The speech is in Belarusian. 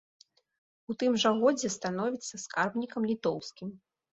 У тым жа годзе становіцца скарбнікам літоўскім.